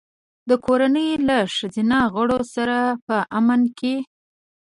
د کورنۍ له ښځینه غړو سره په امن کې.